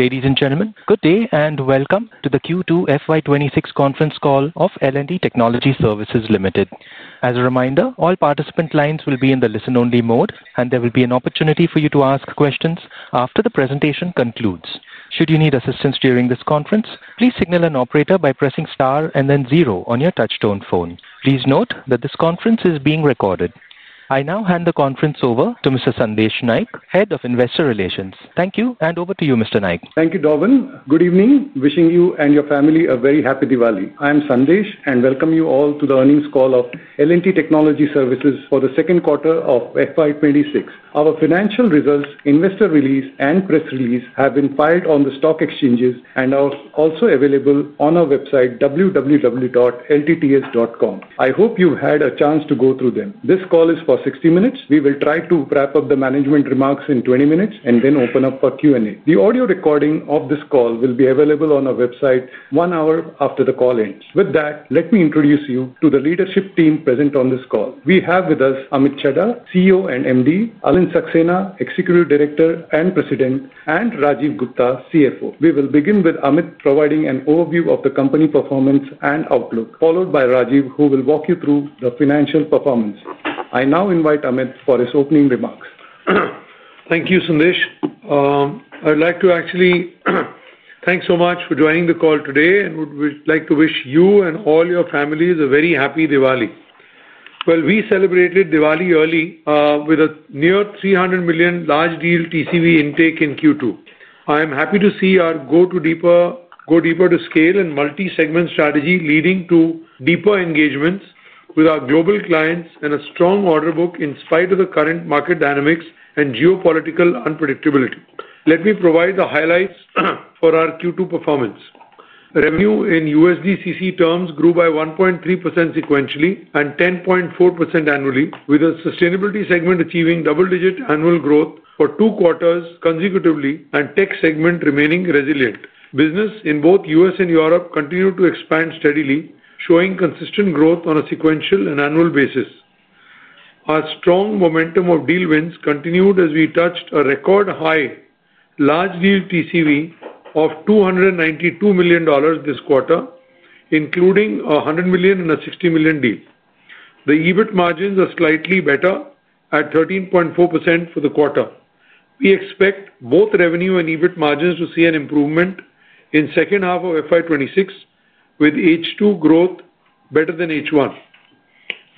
Ladies and gentlemen, good day and welcome to the Q2 FY26 conference call of L&T Technology Services Limited. As a reminder, all participant lines will be in the listen-only mode, and there will be an opportunity for you to ask questions after the presentation concludes. Should you need assistance during this conference, please signal an operator by pressing star and then zero on your touch-tone phone. Please note that this conference is being recorded. I now hand the conference over to Mr. Sandesh Naik, Head of Investor Relations. Thank you, and over to you, Mr. Naik. Thank you, Dovan. Good evening. Wishing you and your family a very happy Diwali. I am Sandesh and welcome you all to the earnings call of L&T Technology Services Amit Chadha for the second quarter of FY26. Our financial results, investor release, and press release have been filed on the stock exchanges and are also available on our website, www.ltts.com. I hope you had a chance to go through them. This call is for 60 minutes. We will try to wrap up the management remarks in 20 minutes and then open up for Q&A. The audio recording of this call will be available on our website one hour after the call ends. With that, let me introduce you to the leadership team present on this call. We have with us Amit Chadha, CEO and MD; Alind Saxena, Executive Director and President; and Rajeev Gupta, CFO. We will begin with Amit providing an overview of the company performance and outlook, followed by Rajeev, who will walk you through the financial performance. I now invite Amit for his opening remarks. Thank you, Sandesh. I would like to actually thank you so much for joining the call today and would like to wish you and all your families a very happy Diwali. We celebrated Diwali early with a near $300 million large deal TCV intake in Q2. I am happy to see our go deeper to scale and multi-segment strategy leading to deeper engagements with our global clients and a strong order book in spite of the current market dynamics and geopolitical unpredictability. Let me provide the highlights for our Q2 performance. Revenue in USD constant currency terms grew by 1.3% sequentially and 10.4% annually, with the Sustainability segment achieving double-digit annual growth for two quarters consecutively and Tech segment remaining resilient. Business in both U.S. and Europe continued to expand steadily, showing consistent growth on a sequential and annual basis. Our strong momentum of deal wins continued as we touched a record high large deal TCV of $292 million this quarter, including a $100 million and a $60 million deal. The EBIT margins are slightly better at 13.4% for the quarter. We expect both revenue and EBIT margins to see an improvement in the second half of FY26, with H2 growth better than H1.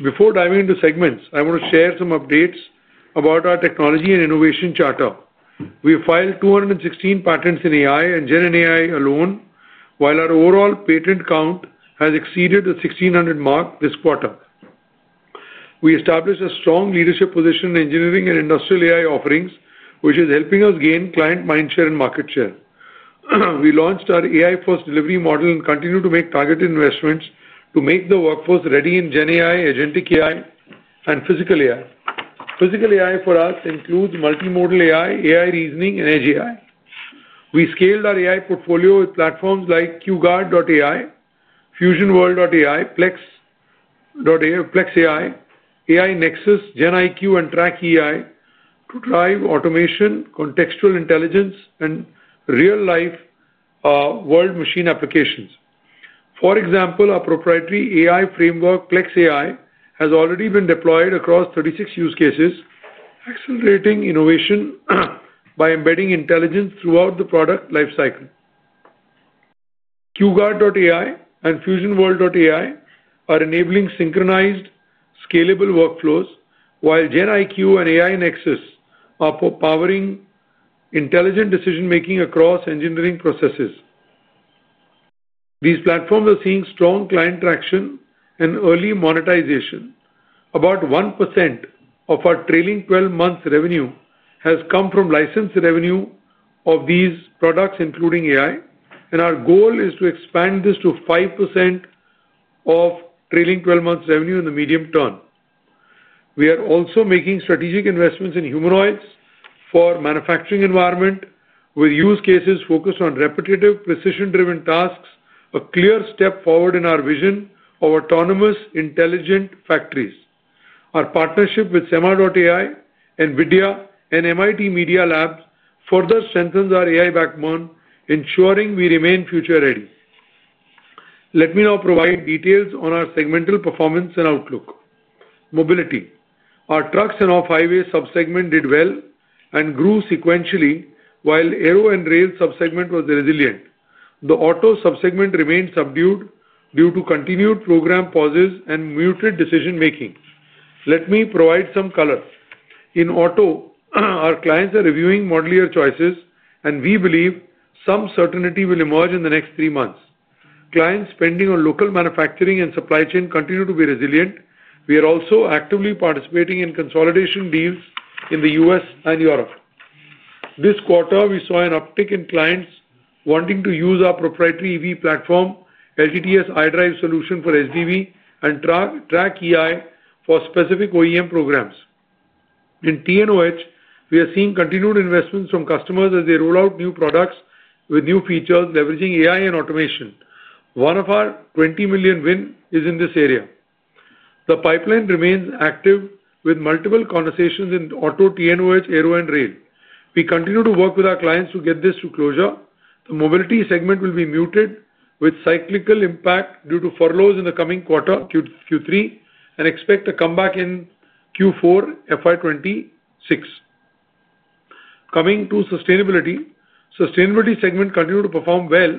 Before diving into segments, I want to share some updates about our technology and innovation charter. We have filed 216 patents in AI and GenAI alone, while our overall patent count has exceeded the 1,600 mark this quarter. We established a strong leadership position in engineering and industrial AI offerings, which is helping us gain client mindshare and market share. We launched our AI-first delivery model and continue to make targeted investments to make the workforce ready in GenAI, Agentic AI, and Physical AI. Physical AI for us includes multimodal AI, AI reasoning, and edge AI. We scaled our AI portfolio with platforms like QGuard.ai, FusionWorld.ai, PlexAI, AI Nexus, GenIQ, and TrackEI to drive automation, contextual intelligence, and real-life world machine applications. For example, our proprietary AI framework, PlexAI, has already been deployed across 36 use cases, accelerating innovation by embedding intelligence throughout the product lifecycle. QGuard.ai and FusionWorld.ai are enabling synchronized scalable workflows, while GenIQ and AI Nexus are powering intelligent decision-making across engineering processes. These platforms are seeing strong client traction and early monetization. About 1% of our trailing 12 months revenue has come from licensed revenue of these products, including AI, and our goal is to expand this to 5% of trailing 12 months revenue in the medium term. We are also making strategic investments in humanoids for our manufacturing environment, with use cases focused on repetitive, precision-driven tasks, a clear step forward in our vision of autonomous intelligent factories. Our partnership with Sema.ai, Vidya, and MIT Media Labs further strengthens our AI backbone, ensuring we remain future-ready. Let me now provide details on our segmental performance and outlook. In Mobility, our trucks and off-highway subsegment did well and grew sequentially, while the aero and rail subsegment was resilient. The auto subsegment remained subdued due to continued program pauses and muted decision-making. Let me provide some color. In auto, our clients are reviewing model year choices, and we believe some certainty will emerge in the next three months. Clients' spending on local manufacturing and supply chain continues to be resilient. We are also actively participating in consolidation deals in the U.S. and Europe. This quarter, we saw an uptick in clients wanting to use our proprietary EV platform, LTTS iDrive Solution for SDV, and TrackEI for specific OEM programs. In TNOH, we are seeing continued investments from customers as they roll out new products with new features, leveraging AI and automation. One of our $20 million wins is in this area. The pipeline remains active with multiple conversations in auto, TNOH, aero, and rail. We continue to work with our clients to get this to closure. The Mobility segment will be muted with cyclical impact due to furloughs in the coming quarter, Q3, and we expect a comeback in Q4 FY26. Coming to Sustainability, the Sustainability segment continued to perform well,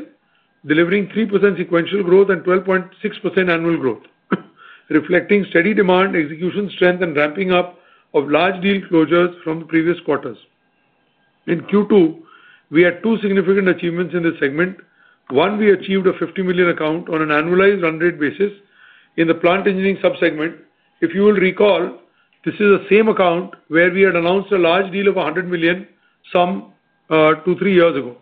delivering 3% sequential growth and 12.6% annual growth, reflecting steady demand, execution strength, and ramping up of large deal closures from the previous quarters. In Q2, we had two significant achievements in this segment. One, we achieved a $50 million account on an annualized run rate basis in the plant engineering subsegment. If you will recall, this is the same account where we had announced a large deal of $100 million some two to three years ago.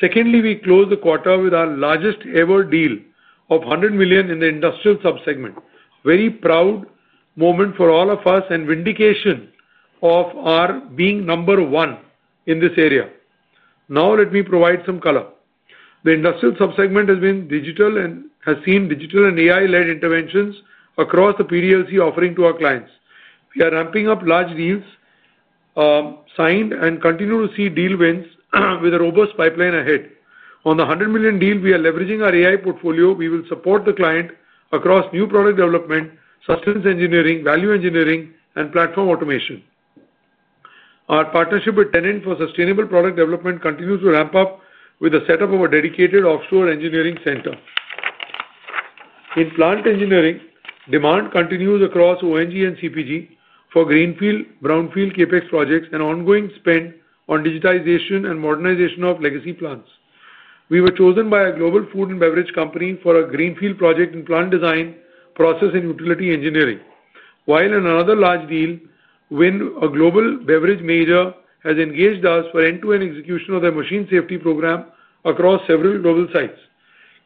Secondly, we closed the quarter with our largest ever deal of $100 million in the industrial subsegment. A very proud moment for all of us and vindication of our being number one in this area. Now, let me provide some color. The industrial subsegment has been digital and has seen digital and AI-led interventions across the PDLC offering to our clients. We are ramping up large deals signed and continue to see deal wins with a robust pipeline ahead. On the $100 million deal, we are leveraging our AI portfolio. We will support the client across new product development, substance engineering, value engineering, and platform automation. Our partnership with Tennant for sustainable product development continues to ramp up with the setup of a dedicated offshore engineering center. In plant engineering, demand continues across ONG and CPG for greenfield, brownfield, and CapEx projects and ongoing spend on digitization and modernization of legacy plants. We were chosen by a global food and beverage company for a greenfield project in plant design, process, and utility engineering, while in another large deal, a global beverage major has engaged us for end-to-end execution of their machine safety program across several global sites.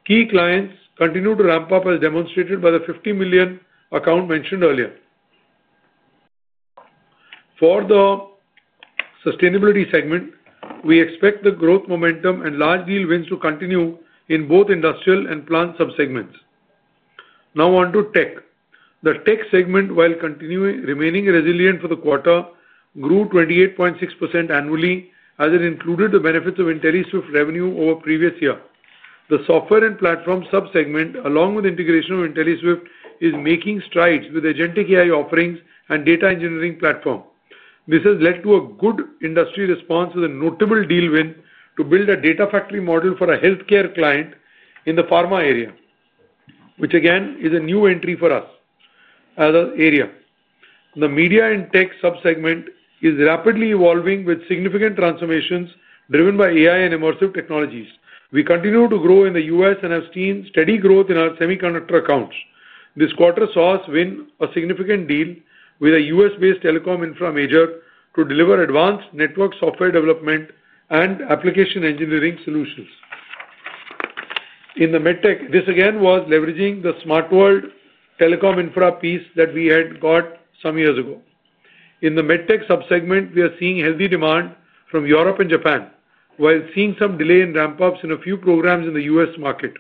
Key clients continue to ramp up as demonstrated by the $50 million account mentioned earlier. For the Sustainability segment, we expect the growth momentum and large deal wins to continue in both industrial and plant subsegments. Now on to Tech. The Tech segment, while continuing remaining resilient for the quarter, grew 28.6% annually as it included the benefits of IntelliSwift revenue over the previous year. The software and platform subsegment, along with integration of IntelliSwift, is making strides with the Agentic AI offerings and data engineering platform. This has led to a good industry response with a notable deal win to build a data factory model for a healthcare client in the pharma area, which again is a new entry for us as an area. The media and Tech subsegment is rapidly evolving with significant transformations driven by AI and immersive technologies. We continue to grow in the U.S. and have seen steady growth in our semiconductor accounts. This quarter saw us win a significant deal with a U.S.-based telecom infrastructure major to deliver advanced network software development and application engineering solutions. In the medtech, this again was leveraging the SmartWorld telecom infrastructure piece that we had got some years ago. In the medtech subsegment, we are seeing healthy demand from Europe and Japan, while seeing some delay in ramp-ups in a few programs in the U.S. market.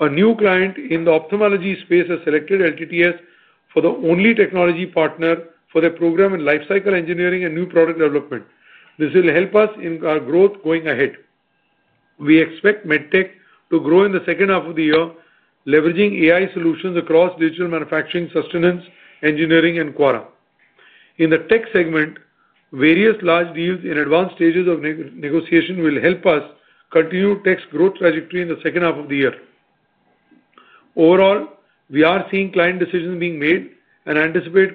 A new client in the ophthalmology space has selected L&T Technology Services for the only technology partner for their program in lifecycle engineering and new product development. This will help us in our growth going ahead. We expect medtech to grow in the second half of the year, leveraging AI solutions across digital manufacturing, sustenance, engineering, and quality. In the Tech segment, various large deals in advanced stages of negotiation will help us continue Tech's growth trajectory in the second half of the year. Overall, we are seeing client decisions being made and anticipate a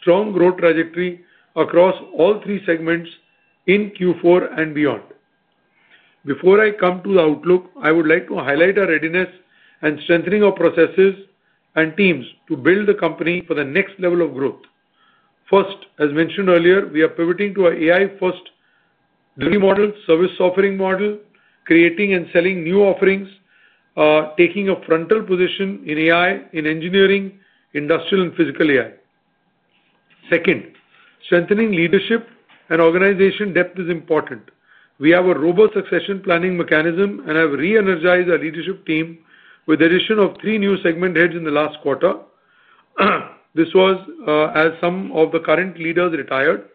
strong growth trajectory across all three segments in Q4 and beyond. Before I come to the outlook, I would like to highlight our readiness and strengthening of processes and teams to build the company for the next level of growth. First, as mentioned earlier, we are pivoting to an AI-first delivery model, service offering model, creating and selling new offerings, taking a frontal position in AI in engineering, industrial, and physical AI. Second, strengthening leadership and organization depth is important. We have a robust succession planning mechanism and have re-energized our leadership team with the addition of three new segment heads in the last quarter. This was as some of the current leaders retired.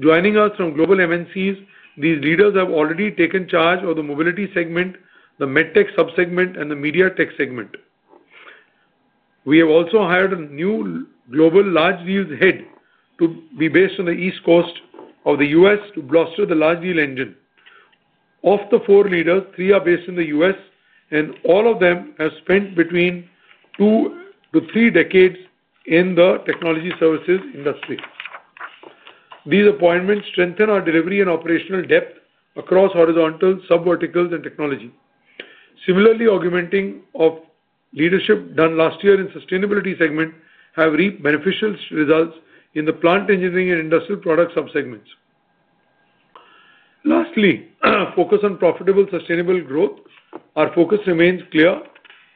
Joining us from global MNCs, these leaders have already taken charge of the Mobility segment, the medtech subsegment, and the media tech segment. We have also hired a new global large deals head to be based on the East Coast of the U.S. to bolster the large deal engine. Of the four leaders, three are based in the U.S. and all of them have spent between two to three decades in the technology services industry. These appointments strengthen our delivery and operational depth across horizontal sub-verticals and technology. Similarly, augmenting of leadership done last year in the Sustainability segment have reaped beneficial results in the plant engineering and industrial product subsegments. Lastly, focus on profitable sustainable growth. Our focus remains clear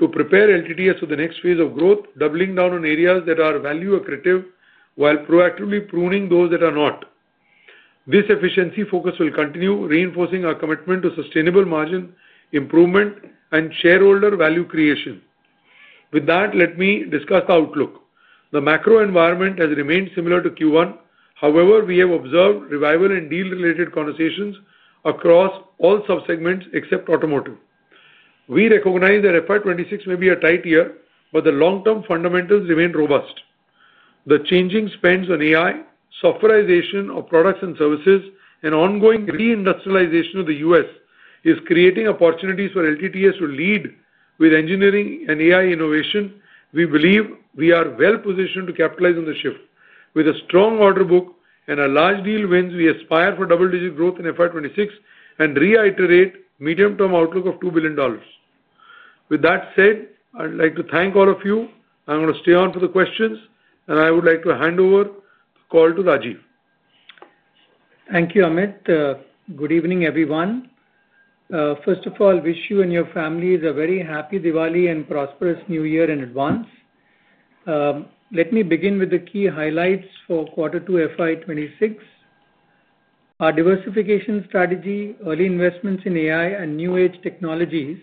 to prepare L&T Technology Services for the next phase of growth, doubling down on areas that are value accretive while proactively pruning those that are not. This efficiency focus will continue reinforcing our commitment to sustainable margin improvement and shareholder value creation. With that, let me discuss the outlook. The macro environment has remained similar to Q1. However, we have observed revival in deal-related conversations across all subsegments except automotive. We recognize that FY26 may be a tight year, but the long-term fundamentals remain robust. The changing spends on AI, softwarization of products and services, and ongoing reindustrialization of the U.S. are creating opportunities for L&T Technology Services to lead with engineering and AI innovation. We believe we are well positioned to capitalize on the shift. With a strong order book and large deal wins, we aspire for double-digit growth in FY26 and reiterate a medium-term outlook of $2 billion. With that said, I would like to thank all of you. I'm going to stay on for the questions, and I would like to hand over the call to Rajeev. Thank you, Amit. Good evening, everyone. First of all, I wish you and your families a very happy Diwali and prosperous New Year in advance. Let me begin with the key highlights for quarter two, FY26. Our diversification strategy, early investments in AI, and new age technologies,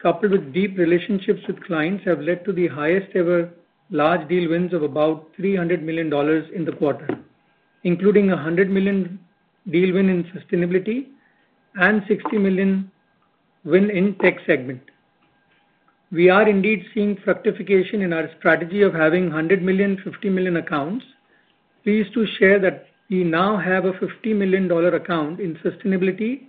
coupled with deep relationships with clients, have led to the highest ever large deal wins of about $300 million in the quarter, including a $100 million deal win in Sustainability segment and a $60 million win in Tech segment. We are indeed seeing fructification in our strategy of having $100 million, $50 million accounts. Pleased to share that we now have a $50 million account in Sustainability segment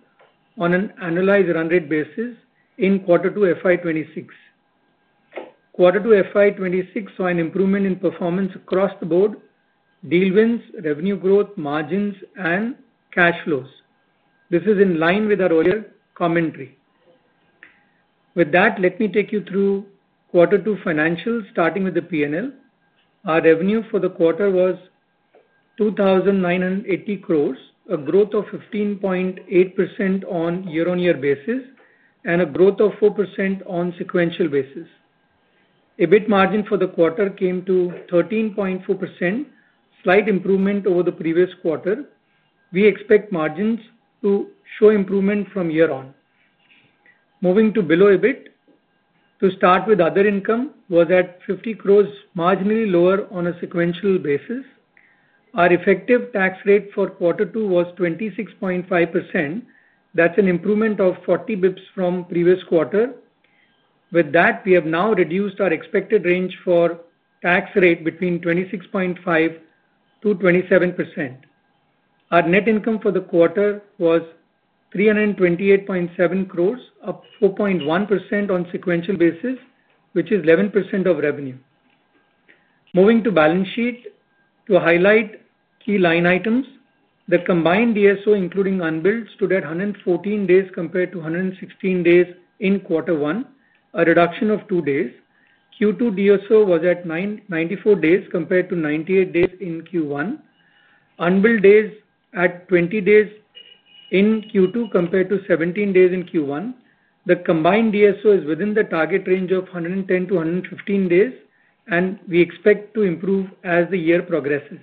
on an annualized run rate basis in quarter two, FY26. Quarter two, FY26 saw an improvement in performance across the board: deal wins, revenue growth, margins, and cash flows. This is in line with our earlier commentary. With that, let me take you through quarter two financials, starting with the P&L. Our revenue for the quarter was 2,980 crores, a growth of 15.8% on a year-on-year basis, and a growth of 4% on a sequential basis. EBIT margin for the quarter came to 13.4%, a slight improvement over the previous quarter. We expect margins to show improvement from year on. Moving to below EBIT, to start with other income, was at 50 crores, marginally lower on a sequential basis. Our effective tax rate for quarter two was 26.5%. That's an improvement of 40 bps from the previous quarter. With that, we have now reduced our expected range for the tax rate between 26.5% to 27%. Our net income for the quarter was 328.7 crores, up 4.1% on a sequential basis, which is 11% of revenue. Moving to the balance sheet to highlight key line items, the combined DSO, including unbilled, stood at 114 days compared to 116 days in quarter one, a reduction of two days. Q2 DSO was at 94 days compared to 98 days in Q1. Unbilled days were at 20 days in Q2 compared to 17 days in Q1. The combined DSO is within the target range of 110 to 115 days, and we expect to improve as the year progresses.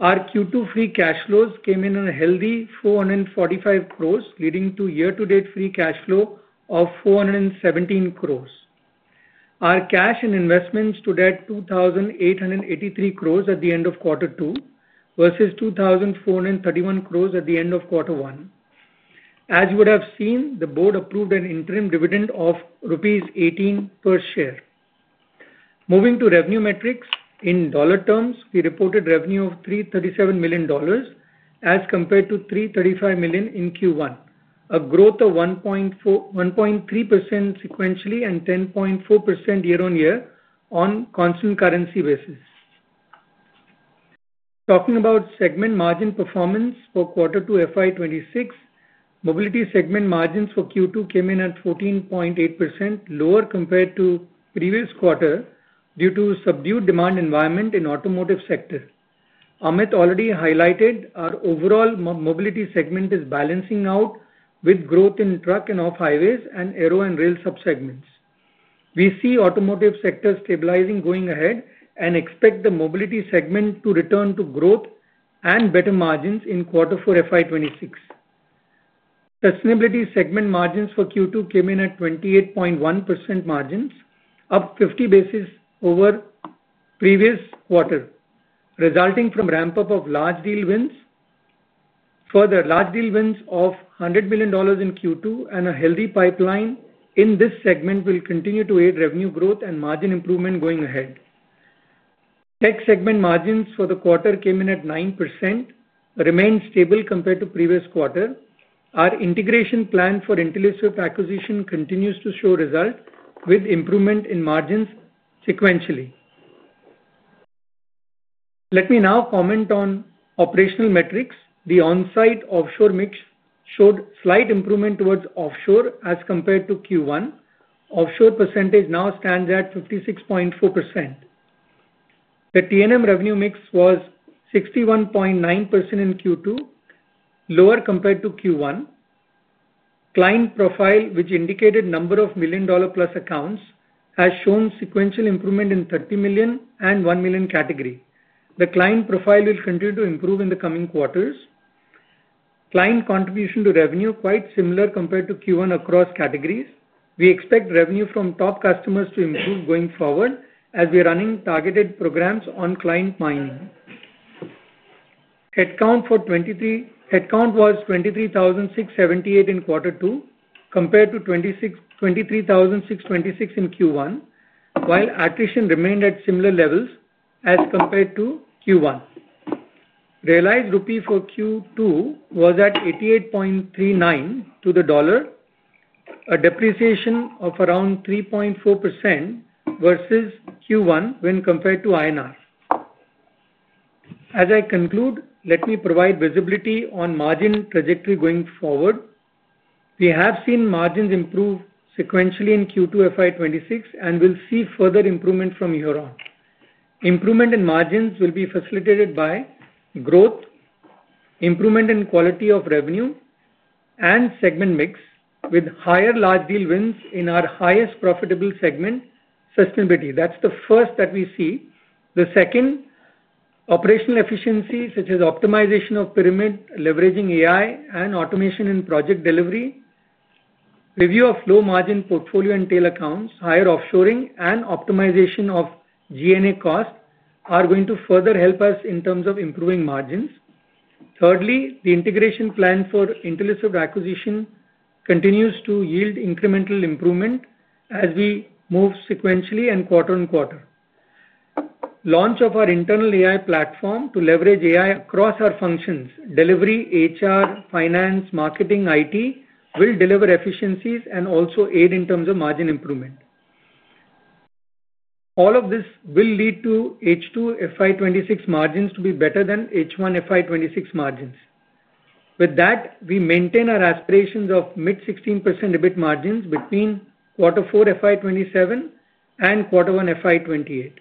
Our Q2 free cash flows came in on a healthy 445 crores, leading to a year-to-date free cash flow of 417 crores. Our cash and investments stood at 2,883 crores at the end of quarter two versus 2,431 crores at the end of quarter one. As you would have seen, the board approved an interim dividend of rupees 18 per share. Moving to revenue metrics, in dollar terms, we reported a revenue of $337 million as compared to $335 million in Q1, a growth of 1.3% sequentially and 10.4% year-on-year on a constant currency basis. Talking about segment margin performance for quarter two, FY26, Mobility segment margins for Q2 came in at 14.8%, lower compared to the previous quarter due to a subdued demand environment in the automotive sector. Amit already highlighted our overall Mobility segment is balancing out with growth in truck and off-highways and aero and rail subsegments. We see the automotive sector stabilizing going ahead and expect the Mobility segment to return to growth and better margins in quarter four, FY26. Sustainability segment margins for Q2 came in at 28.1% margins, up 50 basis over the previous quarter, resulting from a ramp-up of large deal wins. Further, large deal wins of $100 million in Q2 and a healthy pipeline in this segment will continue to aid revenue growth and margin improvement going ahead. Tech segment margins for the quarter came in at 9%, remaining stable compared to the previous quarter. Our integration plan for IntelliSwift acquisition continues to show results with improvement in margins sequentially. Let me now comment on operational metrics. The onsite offshore mix showed slight improvement towards offshore as compared to Q1. Offshore percentage now stands at 56.4%. The TNM revenue mix was 61.9% in Q2, lower compared to Q1. Client profile, which indicated a number of million-dollar-plus accounts, has shown sequential improvement in the $30 million and $1 million category. The client profile will continue to improve in the coming quarters. Client contribution to revenue is quite similar compared to Q1 across categories. We expect revenue from top customers to improve going forward as we are running targeted programs on client mining. Headcount for 2023 was 23,678 in quarter two compared to 23,626 in Q1, while attrition remained at similar levels as compared to Q1. Realized Rupee for Q2 was at 88.39 to the dollar, a depreciation of around 3.4% versus Q1 when compared to INR. As I conclude, let me provide visibility on the margin trajectory going forward. We have seen margins improve sequentially in Q2, FY26, and we'll see further improvement from year on. Improvement in margins will be facilitated by growth, improvement in the quality of revenue, and segment mix, with higher large deal wins in our highest profitable segment, Sustainability. That's the first that we see. The second, operational efficiency such as optimization of pyramid, leveraging AI, and automation in project delivery, review of low margin portfolio and tail accounts, higher offshoring, and optimization of G&A costs are going to further help us in terms of improving margins. Thirdly, the integration plan for IntelliSwift acquisition continues to yield incremental improvement as we move sequentially and quarter on quarter. Launch of our internal AI platform to leverage AI across our functions: delivery, HR, finance, marketing, IT will deliver efficiencies and also aid in terms of margin improvement. All of this will lead to H2 FY26 margins to be better than H1 FY26 margins. With that, we maintain our aspirations of mid-16% EBIT margins between quarter four, FY27, and quarter one, FY28.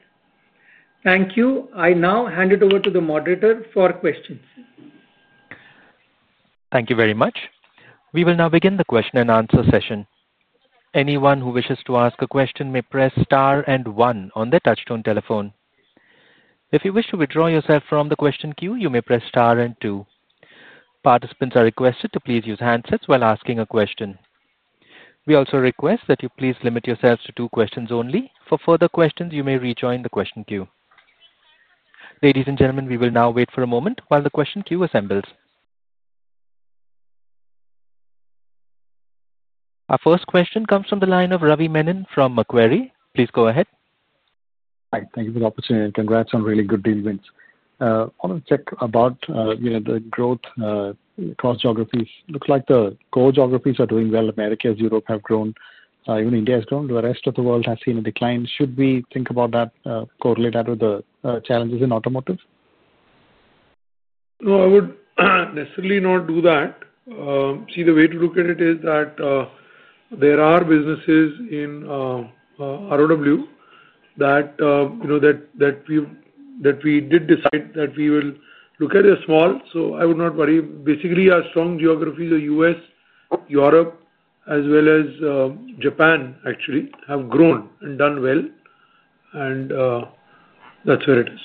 Thank you. I now hand it over to the moderator for questions. Thank you very much. We will now begin the question and answer session. Anyone who wishes to ask a question may press star and one on their touch-tone telephone. If you wish to withdraw yourself from the question queue, you may press star and two. Participants are requested to please use handsets while asking a question. We also request that you please limit yourselves to two questions only. For further questions, you may rejoin the question queue. Ladies and gentlemen, we will now wait for a moment while the question queue assembles. Our first question comes from the line of Ravi Menon from Macquarie. Please go ahead. Hi. Thank you for the opportunity. Congrats on really good deal wins. I want to check about the growth across geographies. It looks like the core geographies are doing well. America and Europe have grown. Even India has grown. The rest of the world has seen a decline. Should we think about that, correlate that with the challenges in automotive? No, I would necessarily not do that. See, the way to look at it is that there are businesses in ROW that we did decide that we will look at as small. I would not worry. Basically, our strong geographies are US, Europe, as well as Japan, actually, have grown and done well. That's where it is.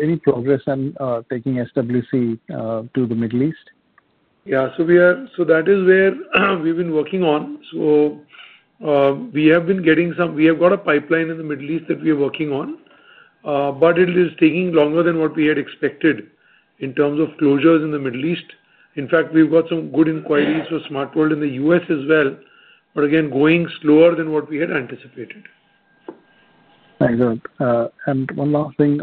Any progress on taking SmartWorld to the Middle East? That is where we've been working on. We have been getting some. We have got a pipeline in the Middle East that we are working on, but it is taking longer than what we had expected in terms of closures in the Middle East. In fact, we've got some good inquiries for SmartWorld in the U.S. as well, again going slower than what we had anticipated. Thank you. One last thing.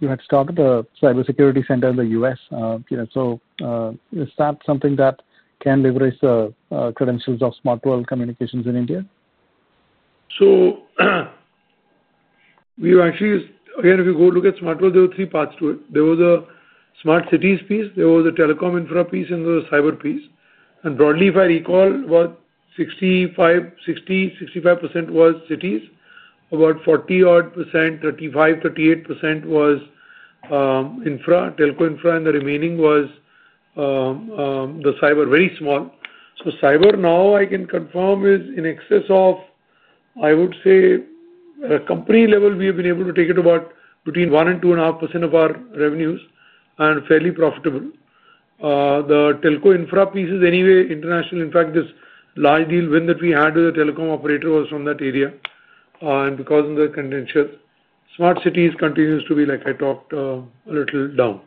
You had started a cybersecurity center in the U.S. Is that something that can leverage the credentials of SmartWorld Communications in India? If you go look at SmartWorld, there were three parts to it. There was a smart cities piece, there was a telecom infrastructure piece, and there was a cyber piece. Broadly, if I recall, about 65%, 60% was cities, about 40-odd percent, 35%, 38% was infrastructure, telco infrastructure, and the remaining was the cyber, very small. Cyber now, I can confirm, is in excess of, I would say, at a company level, we have been able to take it about between 1% and 2.5% of our revenues and fairly profitable. The telco infrastructure piece is anyway international. In fact, this large deal win that we had with the telecom operator was from that area. Because of the credentials, smart cities continue to be, like I talked, a little down.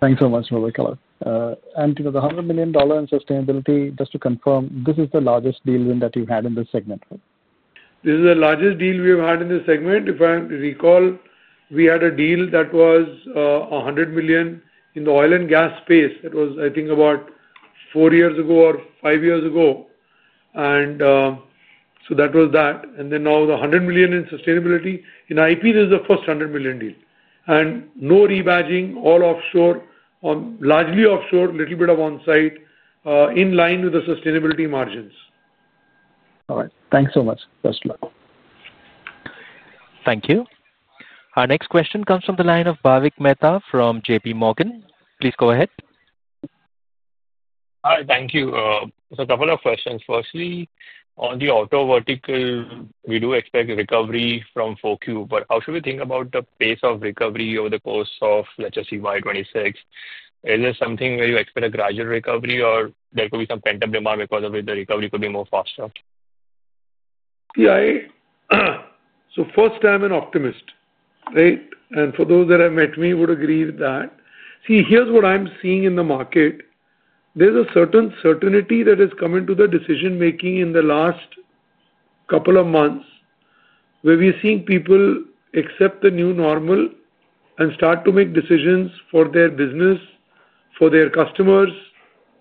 Thanks so much, Ravi Kala. The $100 million in Sustainability, just to confirm, this is the largest deal win that you've had in this segment, right? This is the largest deal we have had in this segment. If I recall, we had a deal that was $100 million in the oil and gas space. It was, I think, about four years ago or five years ago. That was that. Now the $100 million in Sustainability. In IP, this is the first $100 million deal. No rebadging, all offshore, largely offshore, a little bit of onsite, in line with the Sustainability margins. All right. Thanks so much, Sandesh. Thank you. Our next question comes from the line of Bhavik Mehta from JPMorgan. Please go ahead. Hi. Thank you. A couple of questions. Firstly, on the auto vertical, we do expect a recovery from 4Q. How should we think about the pace of recovery over the course of, let's just say, 2026? Is there something where you expect a gradual recovery, or there could be some pent-up demand because of it, the recovery could be faster? Yeah. First, I'm an optimist, right? For those that have met me would agree with that. See, here's what I'm seeing in the market. There's a certain certainty that has come into the decision-making in the last couple of months where we're seeing people accept the new normal and start to make decisions for their business, for their customers,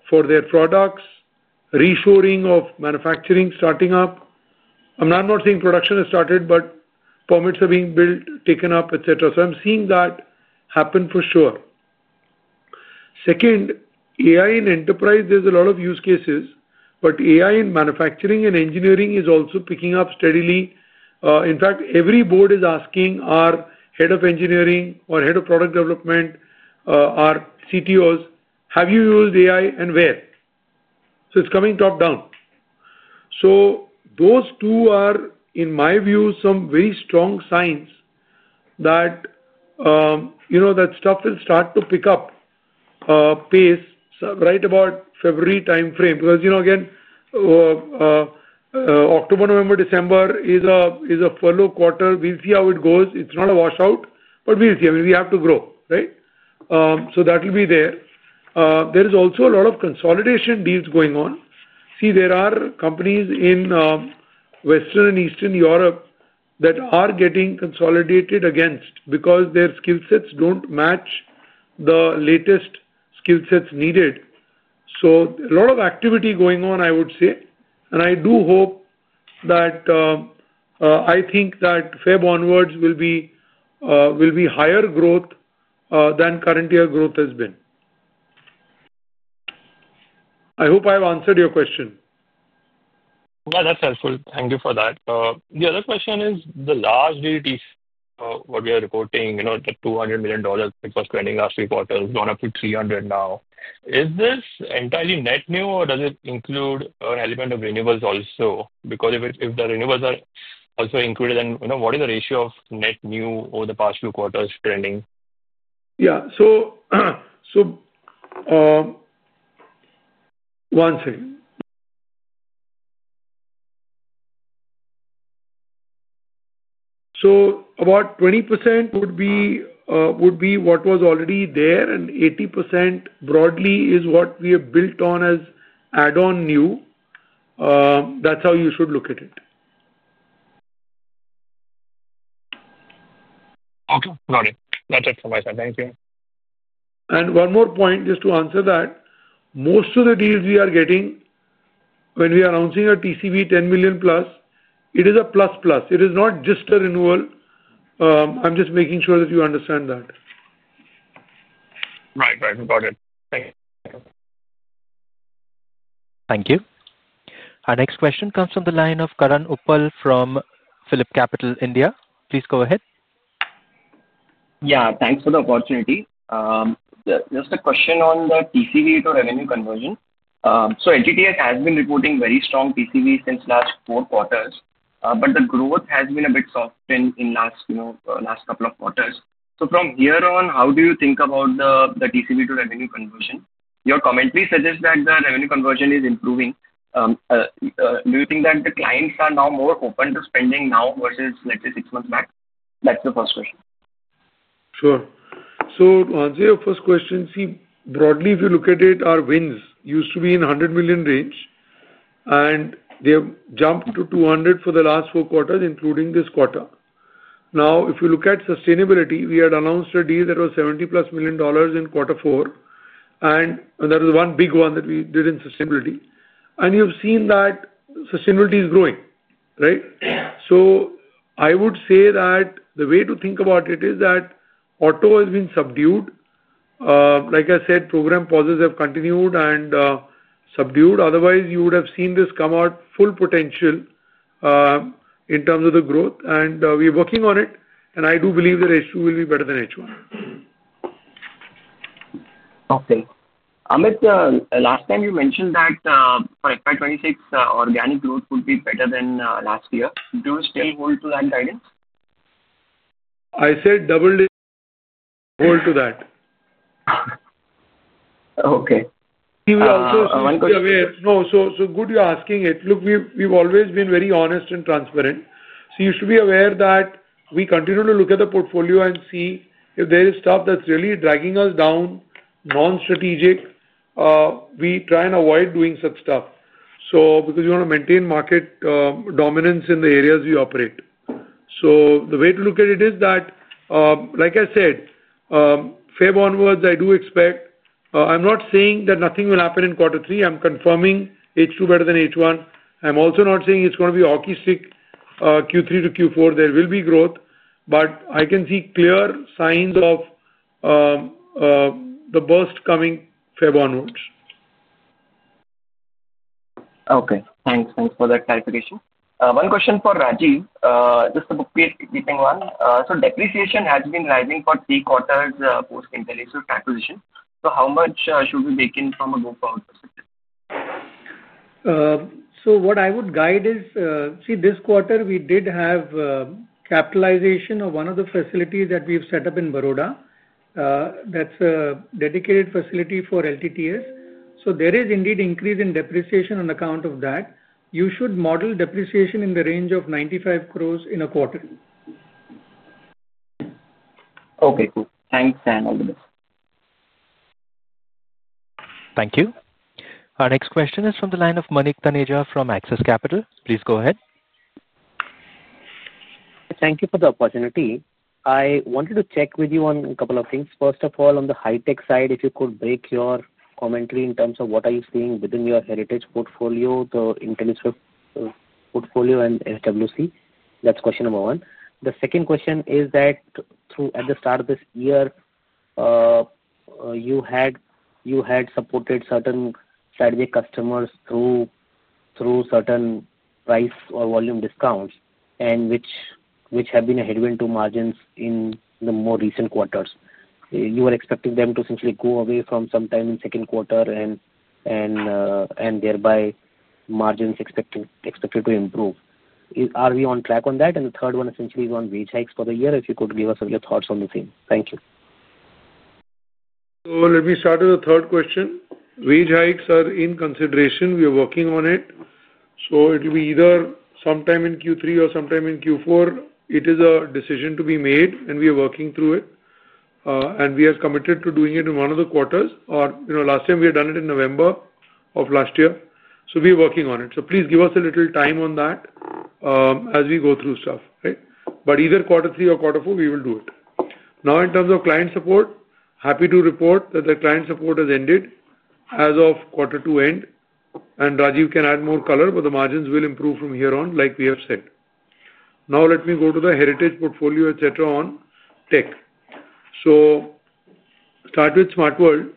for their products, re-shoring of manufacturing starting up. I'm not saying production has started, but permits are being built, taken up, etc. I'm seeing that happen for sure. Second, AI in enterprise, there's a lot of use cases, but AI in manufacturing and engineering is also picking up steadily. In fact, every board is asking our Head of Engineering or Head of Product Development, our CTOs, "Have you used AI and where?" It's coming top-down. Those two are, in my view, some very strong signs that stuff will start to pick up pace right about February timeframe because, you know, October, November, December is a furlough quarter. We'll see how it goes. It's not a washout, but we'll see. I mean, we have to grow, right? That will be there. There is also a lot of consolidation deals going on. There are companies in Western and Eastern Europe that are getting consolidated against because their skill sets don't match the latest skill sets needed. A lot of activity going on, I would say. I do hope that I think that Feb onwards will be higher growth than current year growth has been. I hope I've answered your question. That's helpful. Thank you for that. The other question is the last DT, what we are reporting, you know, the $200 million it was trending last three quarters, gone up to $300 million now. Is this entirely net new or does it include an element of renewals also? Because if the renewals are also included, then you know what is the ratio of net new over the past few quarters trending? Yeah. One thing, about 20% would be what was already there, and 80% broadly is what we have built on as add-on new. That's how you should look at it. Okay. Got it. That's it from my side. Thank you. One more point just to answer that. Most of the deals we are getting when we are announcing a TCV $10 million plus, it is a plus-plus. It is not just a renewal. I'm just making sure that you understand that. Right, right. Got it. Thank you. Thank you. Our next question comes from the line of Karan Upal from Philip Capital, India. Please go ahead. Thank you for the opportunity. Just a question on the TCV to revenue conversion. LTTS has been reporting very strong TCV since the last four quarters, but the growth has been a bit softened in the last couple of quarters. From here on, how do you think about the TCV to revenue conversion? Your commentary suggests that the revenue conversion is improving. Do you think that the clients are now more open to spending now versus, let's say, six months back? That's the first question. Sure. To answer your first question, broadly, if you look at it, our wins used to be in the $100 million range, and they have jumped to $200 million for the last four quarters, including this quarter. If you look at Sustainability, we had announced a deal that was $70+ million in quarter four, and there was one big one that we did in Sustainability. You've seen that Sustainability is growing, right? I would say that the way to think about it is that auto has been subdued. Like I said, program pauses have continued and subdued. Otherwise, you would have seen this come out full potential in terms of the growth. We're working on it, and I do believe the ratio will be better than H1. Okay. Amit, last time you mentioned that for FY2026, organic growth would be better than last year. Do you still hold to that guidance? I said double-digit, hold to that. Okay. We also. One question. Be aware. No, good you're asking it. Look, we've always been very honest and transparent. You should be aware that we continue to look at the portfolio and see if there is stuff that's really dragging us down, non-strategic. We try and avoid doing such stuff because you want to maintain market dominance in the areas we operate. The way to look at it is that, like I said, Feb onwards, I do expect. I'm not saying that nothing will happen in quarter three. I'm confirming H2 better than H1. I'm also not saying it's going to be hockey stick Q3 to Q4. There will be growth, but I can see clear signs of the burst coming Feb onwards. Okay. Thanks. Thanks for that clarification. One question for Rajeev, just a bookkeeping one. Depreciation has been rising for three quarters post IntelliSwift acquisition. How much should we bake in from a go-forward perspective? What I would guide is, this quarter we did have capitalization of one of the facilities that we've set up in Baroda. That's a dedicated facility for L&T Technology Services Limited. There is indeed an increase in depreciation on account of that. You should model depreciation in the range of 95 crore in a quarter. Okay, cool. Thanks and all the best. Thank you. Our next question is from the line of Manik Taneja from Axis Capital. Please go ahead. Thank you for the opportunity. I wanted to check with you on a couple of things. First of all, on the high-tech side, if you could break your commentary in terms of what are you seeing within your heritage portfolio, the IntelliSwift portfolio, and SWC. That's question number one. The second question is that at the start of this year, you had supported certain strategic customers through certain price or volume discounts, which have been a headwind to margins in the more recent quarters. You were expecting them to essentially go away from sometime in the second quarter and thereby margins expected to improve. Are we on track on that? The third one essentially is on wage hikes for the year. If you could give us a few thoughts on the theme. Thank you. Let me start with the third question. Wage hikes are in consideration. We are working on it. It will be either sometime in Q3 or sometime in Q4. It is a decision to be made, and we are working through it. We are committed to doing it in one of the quarters. You know last time we had done it in November of last year. We are working on it. Please give us a little time on that as we go through stuff, right? Either quarter three or quarter four, we will do it. Now, in terms of client support, happy to report that the client support has ended as of quarter two end. Rajeev can add more color, but the margins will improve from here on, like we have said. Let me go to the heritage portfolio, etc., on Tech. Start with SmartWorld.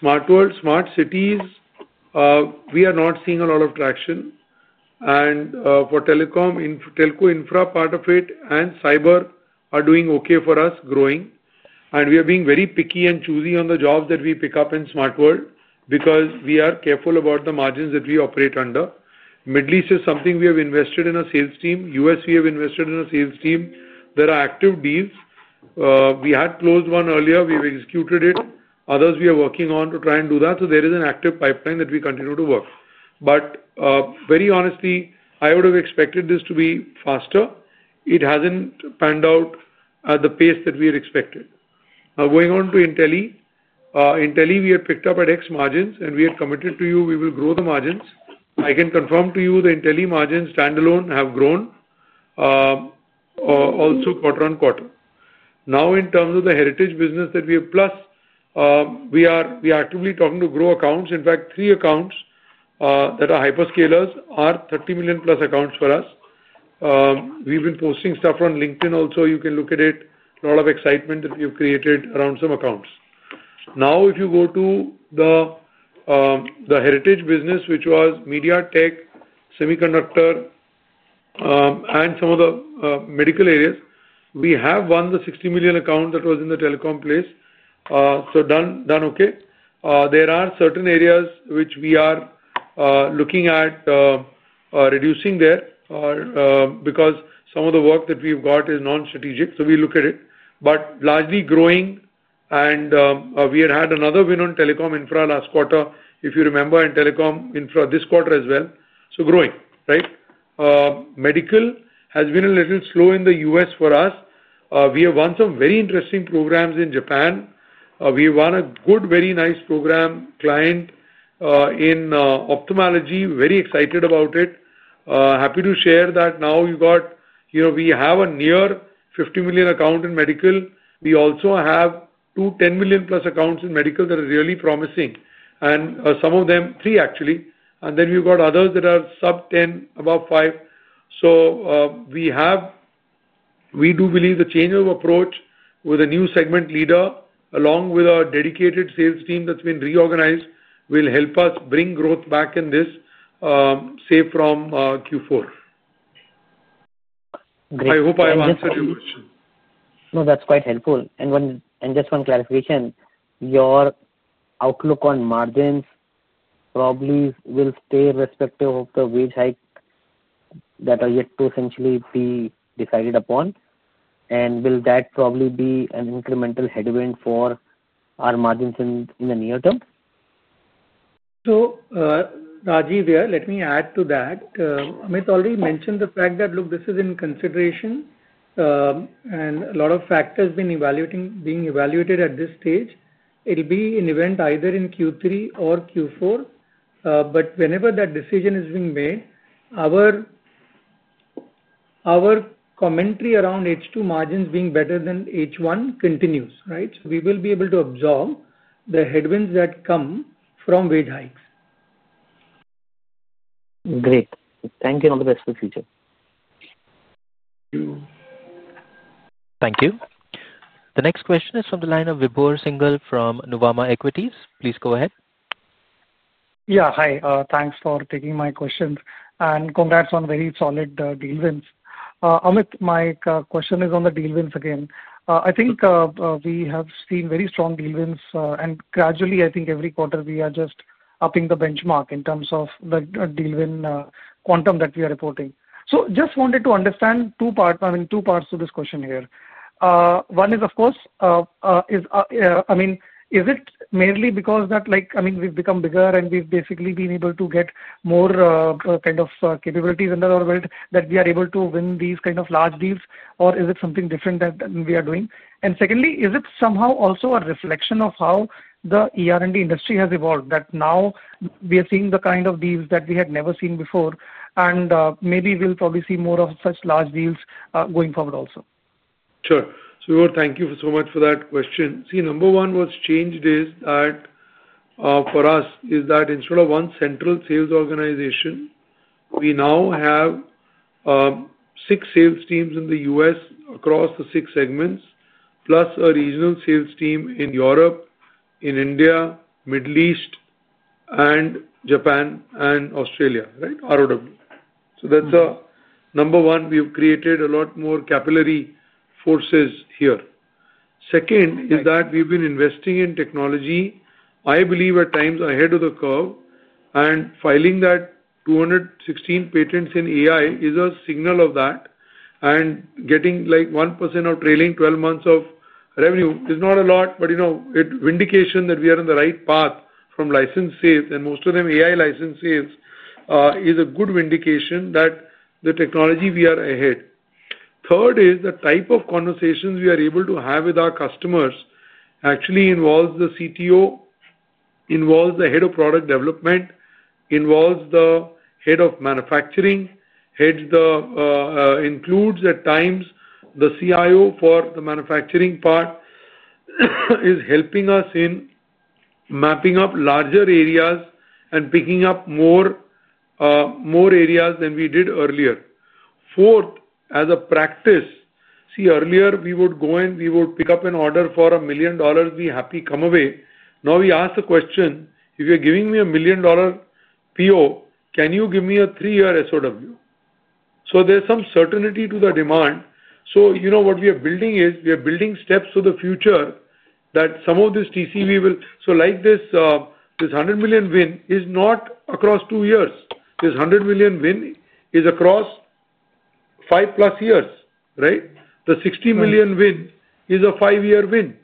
SmartWorld, smart cities, we are not seeing a lot of traction. For telco, infra part of it and cyber are doing okay for us, growing. We are being very picky and choosy on the jobs that we pick up in SmartWorld because we are careful about the margins that we operate under. Middle East is something we have invested in a sales team. U.S., we have invested in a sales team. There are active deals. We had closed one earlier. We've executed it. Others we are working on to try and do that. There is an active pipeline that we continue to work. Very honestly, I would have expected this to be faster. It hasn't panned out at the pace that we had expected. Now, going on to IntelliSwift. IntelliSwift, we had picked up at X margins, and we had committed to you we will grow the margins. I can confirm to you the IntelliSwift margins standalone have grown also quarter on quarter. Now, in terms of the heritage business that we have, plus, we are actively talking to grow accounts. In fact, three accounts that are hyperscalers are $30 million plus accounts for us. We've been posting stuff on LinkedIn also. You can look at it. A lot of excitement that we have created around some accounts. If you go to the heritage business, which was media tech, semiconductor, and some of the medical areas, we have won the $60 million account that was in the telecom place. Done okay. There are certain areas which we are looking at reducing there because some of the work that we've got is non-strategic. We look at it. Largely growing. We had had another win on telecom infrastructure last quarter, if you remember, and telecom infrastructure this quarter as well. Growing, right? Medical has been a little slow in the U.S. for us. We have won some very interesting programs in Japan. We won a good, very nice program client in ophthalmology. Very excited about it. Happy to share that now we have a near $50 million account in medical. We also have two $10 million plus accounts in medical that are really promising, and some of them, three actually. We have others that are sub $10 million, above $5 million. We do believe the change of approach with a new segment leader, along with a dedicated sales team that's been reorganized, will help us bring growth back in this, say, from Q4. Great. I hope I have answered your question. No, that's quite helpful. Just one clarification. Your outlook on margins probably will stay respective of the wage hike that are yet to essentially be decided upon. Will that probably be an incremental headwind for our margins in the near term? Rajeev, let me add to that. Amit already mentioned the fact that, look, this is in consideration and a lot of factors being evaluated at this stage. It will be an event either in Q3 or Q4. Whenever that decision is being made, our commentary around H2 margins being better than H1 continues, right? We will be able to absorb the headwinds that come from wage hikes. Great. Thank you and all the best for the future. Thank you. Thank you. The next question is from the line of Vibhore Singhal from Nuvama Equities. Please go ahead. Hi. Thanks for taking my questions. Congrats on very solid deal wins. Amit, my question is on the deal wins again. I think we have seen very strong deal wins. Gradually, I think every quarter we are just upping the benchmark in terms of the deal win quantum that we are reporting. I just wanted to understand two parts to this question here. One is, of course, is it merely because we've become bigger and we've basically been able to get more kind of capabilities under our belt that we are able to win these kind of large deals? Is it something different that we are doing? Secondly, is it somehow also a reflection of how the ER&D industry has evolved that now we are seeing the kind of deals that we had never seen before? Maybe we'll probably see more of such large deals going forward also. Sure. Thank you so much for that question. Number one, what has changed for us is that instead of one central sales organization, we now have six sales teams in the U.S. across the six segments, plus a regional sales team in Europe, in India, Middle East, Japan, and Australia, right, ROW. That's number one. We've created a lot more capillary forces here. Second is that we've been investing in technology, I believe, at times ahead of the curve. Filing those 216 patents in AI is a signal of that. Getting like 1% of trailing 12 months of revenue is not a lot, but it's an indication that we are on the right path from license sales. Most of them, AI license sales, is a good indication that the technology we are ahead. Third is the type of conversations we are able to have with our customers actually involves the CTO, involves the Head of Product Development, involves the Head of Manufacturing, includes at times the CIO for the manufacturing part, is helping us in mapping up larger areas and picking up more areas than we did earlier. Fourth, as a practice, earlier we would go and we would pick up an order for $1 million, we happy to come away. Now we ask the question, if you're giving me a $1 million PO, can you give me a three-year SOW? There's some certainty to the demand. What we are building is we are building steps to the future that some of this TCV will. This $100 million win is not across two years. This $100 million win is across five-plus years, right? The $60 million win is a five-year win.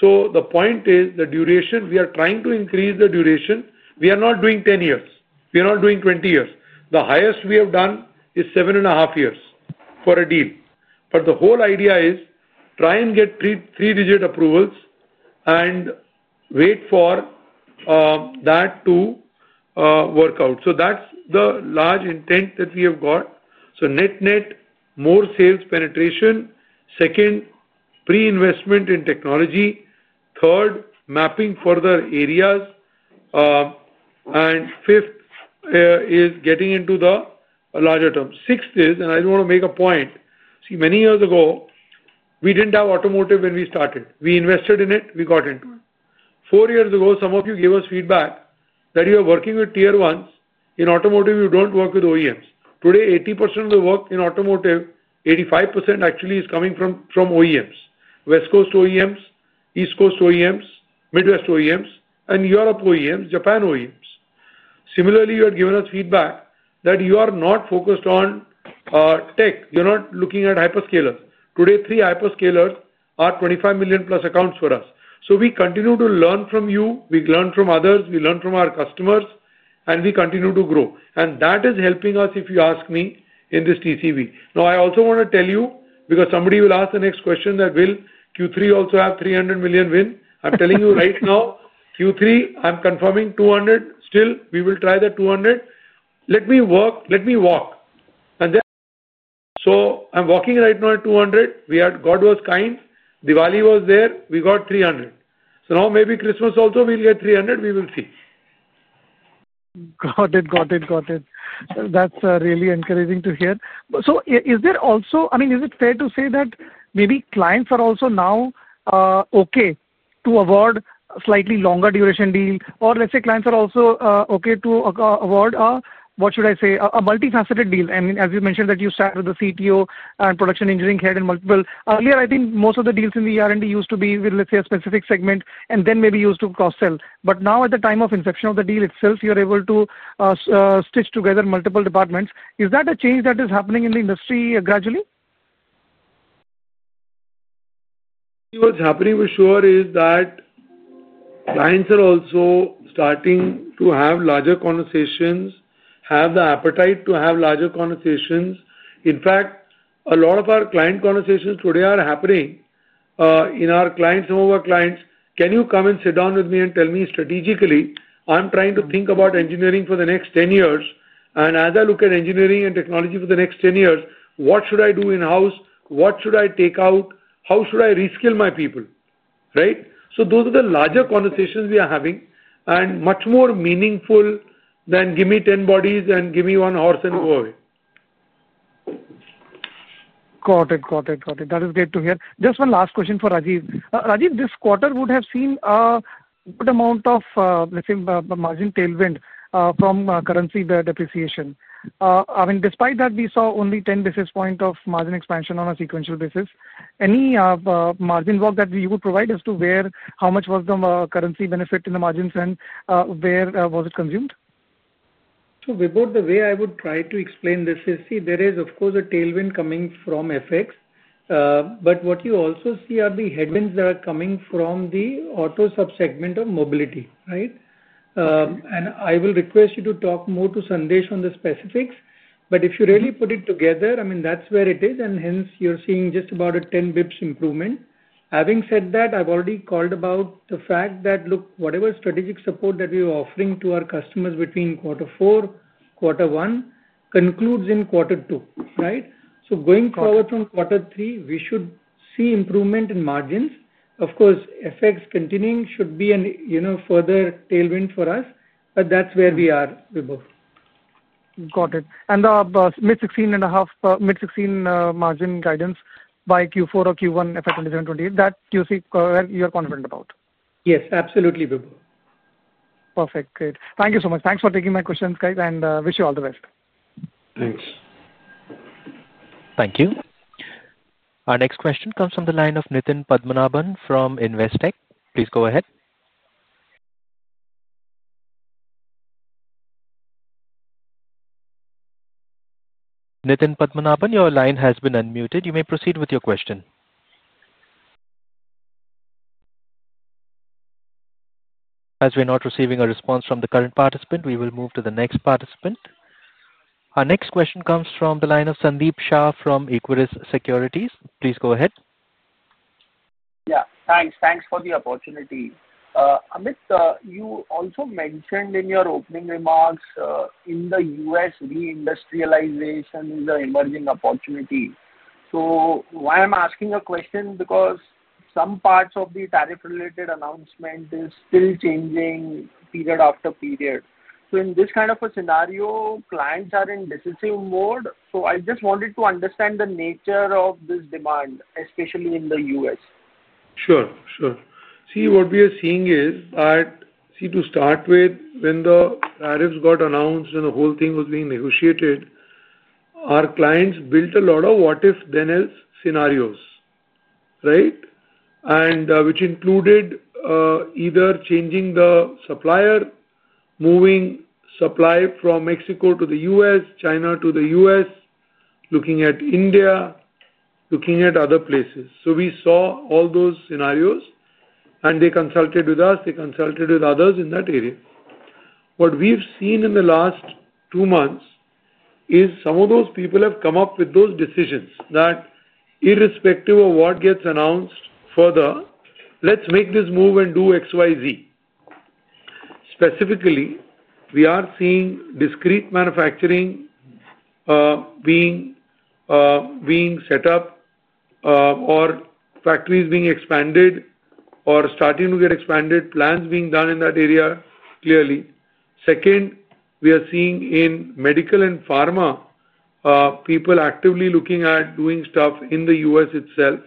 The point is the duration, we are trying to increase the duration. We are not doing 10 years. We are not doing 20 years. The highest we have done is seven and a half years for a deal. The whole idea is try and get three-digit approvals and wait for that to work out. That's the large intent that we have got. Net-net, more sales penetration. Second, pre-investment in technology. Third, mapping further areas. Fifth is getting into the larger terms. Sixth is, and I do want to make a point, many years ago, we didn't have automotive when we started. We invested in it. We got into it. Four years ago, some of you gave us feedback that you are working with tier ones. In automotive, you don't work with OEMs. Today, 80% of the work in automotive, 85% actually, is coming from OEMs: West Coast OEMs, East Coast OEMs, Midwest OEMs, Europe OEMs, Japan OEMs. Similarly, you had given us feedback that you are not focused on tech. You're not looking at hyperscalers. Today, three hyperscalers are $25 million plus accounts for us. We continue to learn from you, we learn from others, we learn from our customers, and we continue to grow. That is helping us, if you ask me, in this TCV. I also want to tell you, because somebody will ask the next question, "Will Q3 also have $300 million win?" I'm telling you right now, Q3, I'm confirming $200 million. Still, we will try the $200 million. Let me work, let me walk. I'm walking right now at $200 million. God was kind, Diwali was there, we got $300 million. Maybe Christmas also we'll get $300 million. We will see. That's really encouraging to hear. Is it fair to say that maybe clients are also now okay to award slightly longer duration deals? Are clients also okay to award a, what should I say, a multifaceted deal? As you mentioned, you start with the CTO and production engineering head and multiple. Earlier, I think most of the deals in the R&D used to be with a specific segment and then maybe used to cross-sell. Now, at the time of inception of the deal itself, you're able to stitch together multiple departments. Is that a change that is happening in the industry gradually? What's happening for sure is that clients are also starting to have larger conversations, have the appetite to have larger conversations. In fact, a lot of our client conversations today are happening in our clients, some of our clients, "Can you come and sit down with me and tell me strategically, I'm trying to think about engineering for the next 10 years. As I look at engineering and technology for the next 10 years, what should I do in-house? What should I take out? How should I reskill my people?" Right? Those are the larger conversations we are having and much more meaningful than, "Give me 10 bodies and give me one horse and go away. Got it. That is great to hear. Just one last question for Rajeev. Rajeev, this quarter would have seen a good amount of, let's say, margin tailwind from currency depreciation. I mean, despite that, we saw only 10 bps of margin expansion on a sequential basis. Any margin work that you would provide as to where how much was the currency benefit in the margins and where was it consumed? Vibhor, the way I would try to explain this is, see, there is, of course, a tailwind coming from FX. What you also see are the headwinds that are coming from the auto subsegment of Mobility, right? I will request you to talk more to Sandesh on the specifics. If you really put it together, that's where it is. Hence, you're seeing just about a 10 bps improvement. Having said that, I've already called about the fact that, look, whatever strategic support that we are offering to our customers between quarter four, quarter one concludes in quarter two, right? Going forward from quarter three, we should see improvement in margins. Of course, FX continuing should be a further tailwind for us. That's where we are, Vibhor. Got it. The mid-16.5%, mid-16% margin guidance by Q4 or Q1 FY2027/2028, that you see, you're confident about? Yes, absolutely, Vibhor. Perfect. Great. Thank you so much. Thanks for taking my questions, guys, and wish you all the best. Thanks. Thank you. Our next question comes from the line of Nithin Padmanabhan from Investech. Please go ahead. Nithin Padmanabhan, your line has been unmuted. You may proceed with your question. As we're not receiving a response from the current participant, we will move to the next participant. Our next question comes from the line of Sandeep Shah from Equiris Securities. Please go ahead. Thanks. Thanks for the opportunity. Amit, you also mentioned in your opening remarks in the U.S. reindustrialization is an emerging opportunity. I'm asking a question because some parts of the tariff-related announcement are still changing period after period. In this kind of a scenario, clients are in decisive mode. I just wanted to understand the nature of this demand, especially in the U.S. Sure. See, what we are seeing is that, to start with, when the tariffs got announced and the whole thing was being negotiated, our clients built a lot of what-if-then-else scenarios, right? Which included either changing the supplier, moving supply from Mexico to the U.S., China to the U.S., looking at India, looking at other places. We saw all those scenarios, and they consulted with us. They consulted with others in that area. What we've seen in the last two months is some of those people have come up with those decisions that irrespective of what gets announced further, let's make this move and do XYZ. Specifically, we are seeing discrete manufacturing being set up or factories being expanded or starting to get expanded, plans being done in that area clearly. Second, we are seeing in medical and pharma people actively looking at doing stuff in the U.S. itself.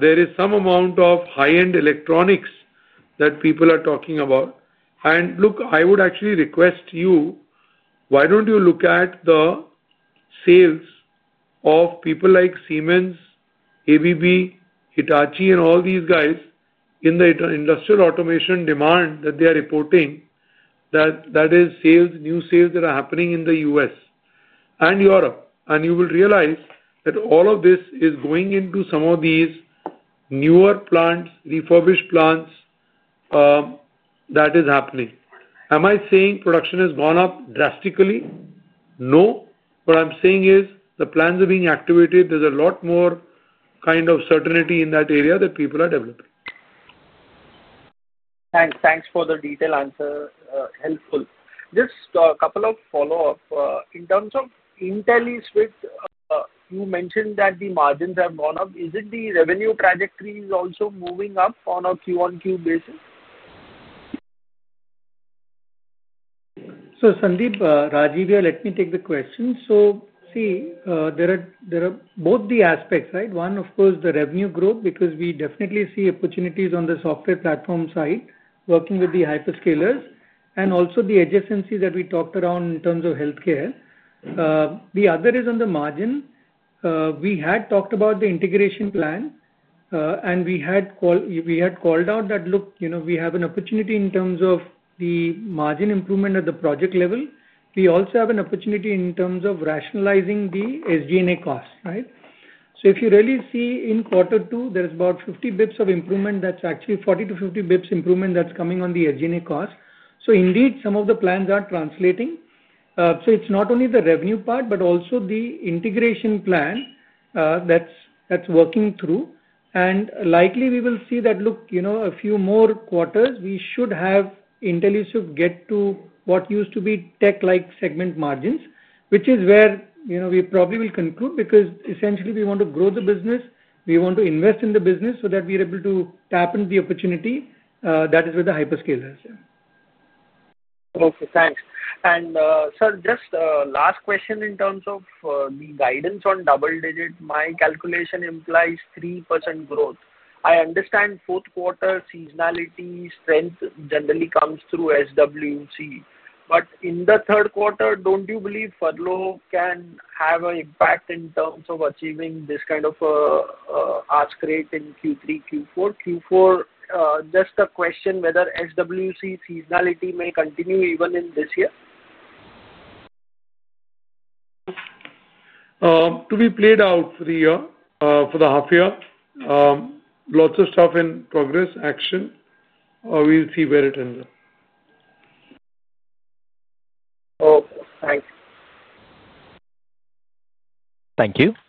There is some amount of high-end electronics that people are talking about. I would actually request you, why don't you look at the sales of people like Siemens, ABB, Hitachi, and all these guys in the industrial automation demand that they are reporting, that is sales, new sales that are happening in the U.S. and Europe. You will realize that all of this is going into some of these newer plants, refurbished plants that are happening. Am I saying production has gone up drastically? No. What I'm saying is the plans are being activated. There's a lot more kind of certainty in that area that people are developing. Thanks. Thanks for the detailed answer. Helpful. Just a couple of follow-ups. In terms of IntelliSwift, you mentioned that the margins have gone up. Is it the revenue trajectory is also moving up on a Q1Q basis? Rajeev here, let me take the question. There are both the aspects, right? One, of course, the revenue growth because we definitely see opportunities on the software platform side working with the hyperscalers and also the adjacency that we talked around in terms of healthcare. The other is on the margin. We had talked about the integration plan, and we had called out that, look, you know we have an opportunity in terms of the margin improvement at the project level. We also have an opportunity in terms of rationalizing the SG&A costs, right? If you really see in quarter two, there's about 50 bps of improvement. That's actually 40 to 50 bps improvement that's coming on the SG&A costs. Indeed, some of the plans are translating. It's not only the revenue part, but also the integration plan that's working through. Likely, we will see that, look, you know a few more quarters, we should have IntelliSwift get to what used to be Tech segment-like margins, which is where you know we probably will conclude because essentially, we want to grow the business. We want to invest in the business so that we are able to tap into the opportunity. That is where the hyperscalers are. Thank you. Thanks. Sir, just a last question in terms of the guidance on double-digit. My calculation implies 3% growth. I understand fourth quarter seasonality strength generally comes through SmartWorld. In the third quarter, don't you believe furlough can have an impact in terms of achieving this kind of an ask rate in Q3, Q4? Q4, just a question whether SmartWorld seasonality may continue even in this year. To be played out for a year, for the half year, lots of stuff in progress, action. We'll see where it ends up. Thank you. Thank you.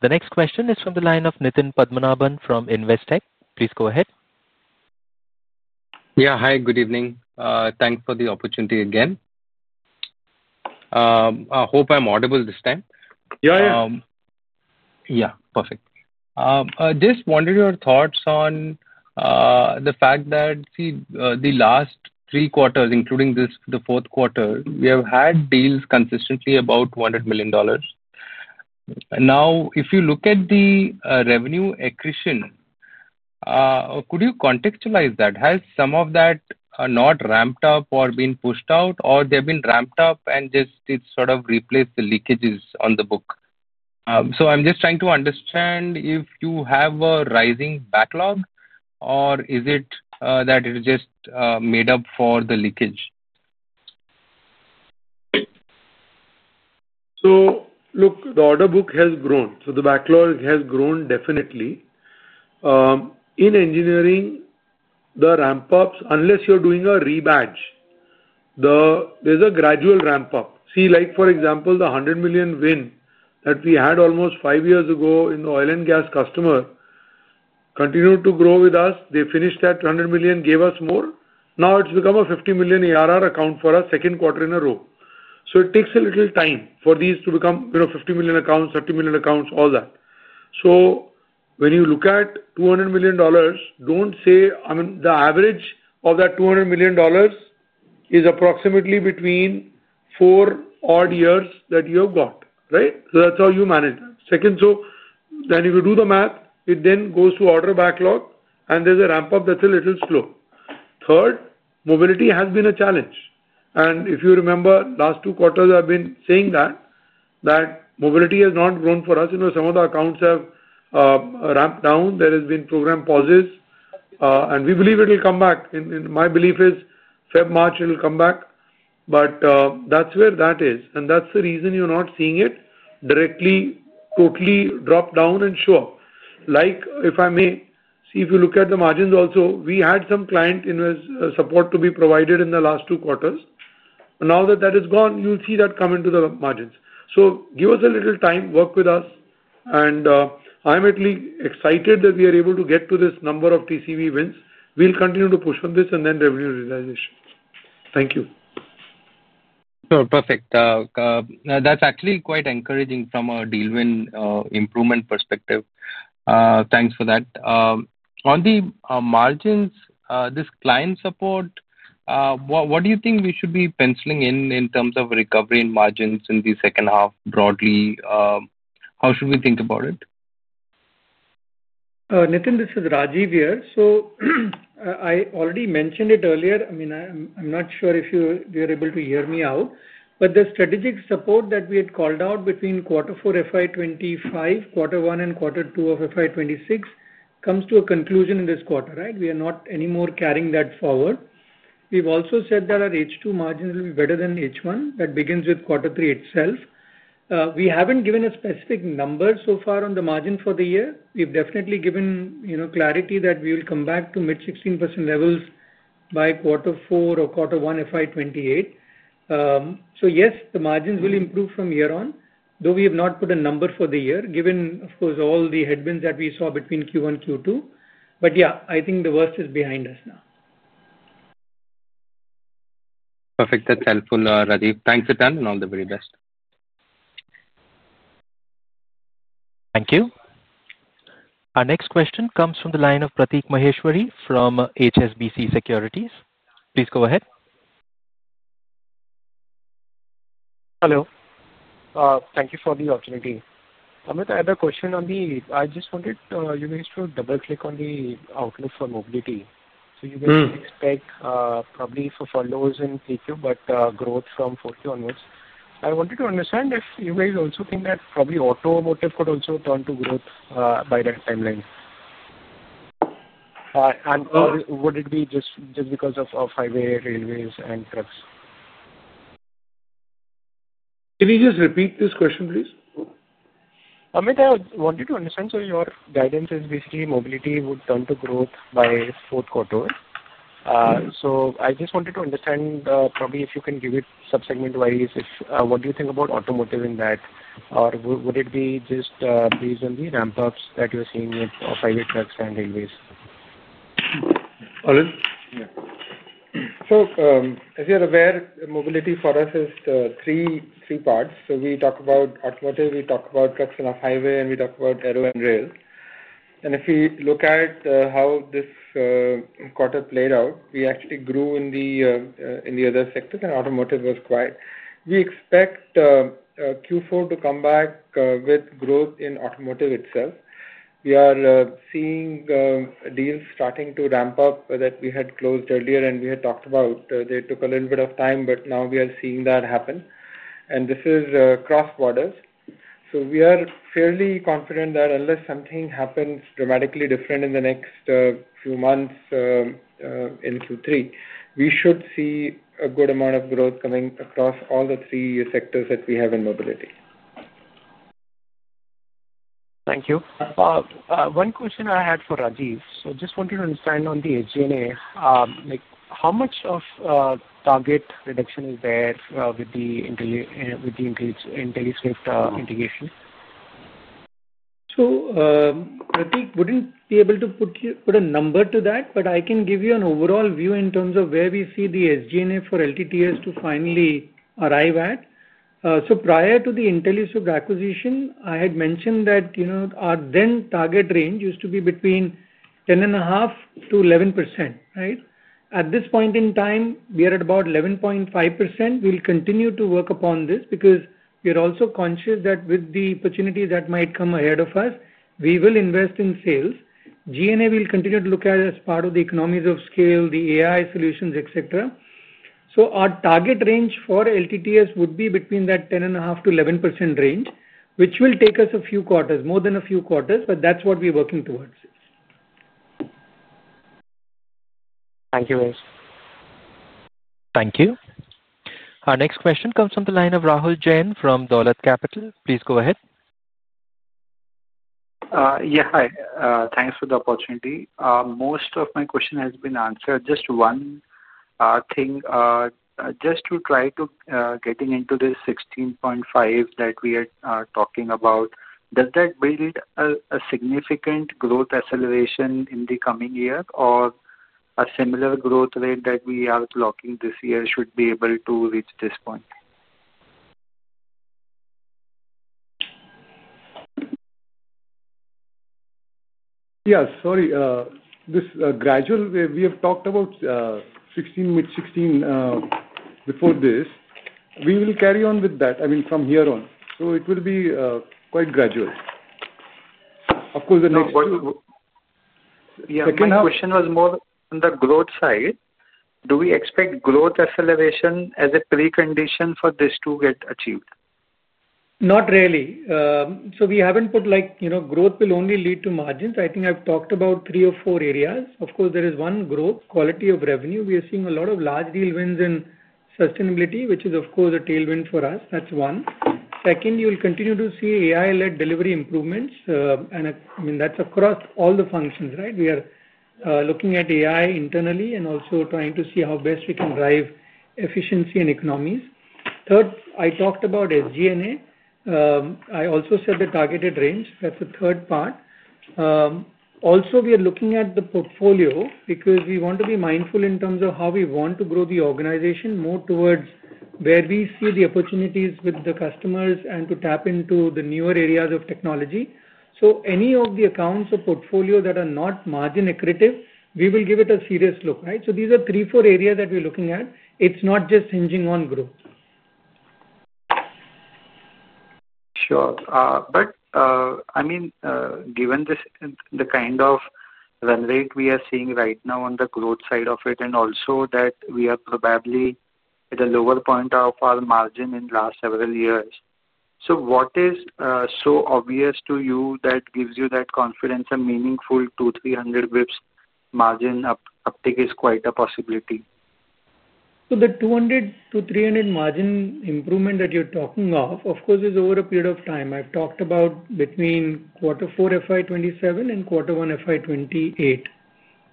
The next question is from the line of Nithin Padmanabhan from Investech. Please go ahead. Hi. Good evening. Thanks for the opportunity again. I hope I'm audible this time. Yeah, yeah. Yeah. Perfect. Just wanted your thoughts on the fact that, see, the last three quarters, including this, the fourth quarter, we have had deals consistently about $200 million. Now, if you look at the revenue accretion, could you contextualize that? Has some of that not ramped up or been pushed out, or they have been ramped up and just it's sort of replaced the leakages on the book? I'm just trying to understand if you have a rising backlog, or is it that it just made up for the leakage? Look, the order book has grown. The backlog has grown definitely. In engineering, the ramp-ups, unless you're doing a rebadge, there's a gradual ramp-up. For example, the $100 million win that we had almost five years ago in the oil and gas customer continued to grow with us. They finished that $100 million, gave us more. Now it's become a $50 million ERR account for us, second quarter in a row. It takes a little time for these to become $50 million accounts, $30 million accounts, all that. When you look at $200 million, don't say, I mean, the average of that $200 million is approximately between four odd years that you have got, right? That's how you manage that. If you do the math, it then goes to order backlog, and there's a ramp-up that's a little slow. Mobility has been a challenge. If you remember, the last two quarters, I've been saying that mobility has not grown for us. Some of the accounts have ramped down. There have been program pauses. We believe it'll come back. My belief is Feb, March, it'll come back. That's where that is. That's the reason you're not seeing it directly totally drop down and show up. If I may, if you look at the margins also, we had some client support to be provided in the last two quarters. Now that that is gone, you'll see that come into the margins. Give us a little time, work with us. I'm actually excited that we are able to get to this number of TCV wins. We'll continue to push on this and then revenue realization. Thank you. That's actually quite encouraging from a deal win improvement perspective. Thanks for that. On the margins, this client support, what do you think we should be penciling in in terms of recovery in margins in the second half broadly? How should we think about it? Nithin, this is Rajeev here. I already mentioned it earlier. I'm not sure if you're able to hear me out. The strategic support that we had called out between quarter four FY25 and quarter one and quarter two of FY26 comes to a conclusion in this quarter, right? We are not anymore carrying that forward. We've also said that our H2 margins will be better than H1. That begins with quarter three itself. We haven't given a specific number so far on the margin for the year. We've definitely given clarity that we will come back to mid-16% levels by quarter four or quarter one FY28. Yes, the margins will improve from year on, though we have not put a number for the year given, of course, all the headwinds that we saw between Q1 and Q2. I think the worst is behind us now. Perfect. That's helpful, Rajeev. Thanks a ton and all the very best. Thank you. Our next question comes from the line of Pratik Maheshwari from HSBC Securities. Please go ahead. Hello. Thank you for the opportunity. Amit, I have a question. I just wanted you guys to double-click on the outlook for Mobility. You guys expect probably furloughs in 3Q, but growth from 4Q onwards. I wanted to understand if you guys also think that probably automotive could also turn to growth by that timeline. Would it be just because of highway, railways, and trucks? Can you just repeat this question, please? Amit, I wanted to understand. Your guidance is basically Mobility would turn to growth by the fourth quarter. I just wanted to understand, probably if you can give it subsegment-wise, what do you think about automotive in that? Would it be just based on the ramp-ups that you're seeing with highway trucks and railways? All in? Yeah. As you're aware, mobility for us is three parts. We talk about automotive, we talk about trucks and off-highway, and we talk about aero and rail. If we look at how this quarter played out, we actually grew in the other sectors, and automotive was quiet. We expect Q4 to come back with growth in automotive itself. We are seeing deals starting to ramp up that we had closed earlier, and we had talked about they took a little bit of time, but now we are seeing that happen. This is cross-borders. We are fairly confident that unless something happens dramatically different in the next few months in Q3, we should see a good amount of growth coming across all the three sectors that we have in mobility. Thank you. One question I had for Rajeev. I just wanted to understand on the SG&A. How much of a target reduction is there with the IntelliSwift integration? Pratik, wouldn't be able to put a number to that, but I can give you an overall view in terms of where we see the SG&A for L&T Technology Services to finally arrive at. Prior to the IntelliSwift acquisition, I had mentioned that our then target range used to be between 10.5% to 11%, right? At this point in time, we are at about 11.5%. We'll continue to work upon this because we are also conscious that with the opportunity that might come ahead of us, we will invest in sales. SG&A, we'll continue to look at it as part of the economies of scale, the AI solutions, etc. Our target range for L&T Technology Services would be between that 10.5% to 11% range, which will take us a few quarters, more than a few quarters, but that's what we're working towards. Thank you, Rajeev. Thank you. Our next question comes from the line of Rahul Jain from Dholat Capital. Please go ahead. Yeah. Hi. Thanks for the opportunity. Most of my question has been answered. Just one thing, just to try to get into this 16.5 that we are talking about, does that build a significant growth acceleration in the coming year, or a similar growth rate that we are blocking this year should be able to reach this point? Sorry. This gradual way we have talked about 16, mid-16, before this, we will carry on with that, I mean, from here on. It will be quite gradual. Of course, the next two. The question was more on the growth side. Do we expect growth acceleration as a precondition for this to get achieved? Not really. We haven't put like, you know, growth will only lead to margins. I think I've talked about three or four areas. Of course, there is one growth, quality of revenue. We are seeing a lot of large deal wins in Sustainability, which is, of course, a tailwind for us. That's one. Second, you'll continue to see AI-led delivery improvements. I mean, that's across all the functions, right? We are looking at AI internally and also trying to see how best we can drive efficiency and economies. Third, I talked about SG&A. I also said the targeted range. That's the third part. We are looking at the portfolio because we want to be mindful in terms of how we want to grow the organization more towards where we see the opportunities with the customers and to tap into the newer areas of technology. Any of the accounts or portfolio that are not margin accretive, we will give it a serious look, right? These are three, four areas that we're looking at. It's not just hinging on growth. Sure. I mean, given the kind of run rate we are seeing right now on the growth side of it, and also that we are probably at a lower point of our margin in the last several years, what is so obvious to you that gives you that confidence a meaningful 200 to 300 bps margin uptake is quite a possibility? The 200 to 300 bps margin improvement that you're talking of, of course, is over a period of time. I've talked about between quarter four FY2027 and quarter one FY2028.